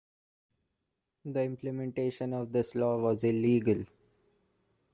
The implementation of this law was illegal.